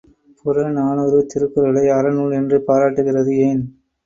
புறநானூறு, திருக்குறளை அறநூல் என்று பாராட்டுகிறது ஏன்?